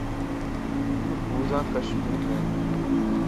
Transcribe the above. مقبوضہ کشمیر میں